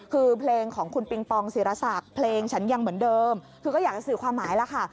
คือเพลงของคุณปิงปองศิรศักดิ์เพลงฉันยังเหมือนเดิมคือก็อยากจะสื่อความหมายแล้วค่ะ